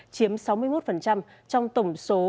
chiếm sáu mươi một trong tổng số